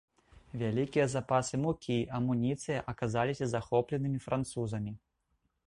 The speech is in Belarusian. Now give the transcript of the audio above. Вялікія запасы мукі, амуніцыі аказаліся захопленымі французамі.